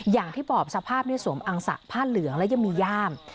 อย่างที่บอกสภาพสวมอังสะผ้าเหลืองและยังมีย่าม